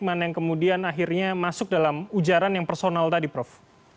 mana yang kemudian akhirnya masuk dalam ujaran yang personal tadi prof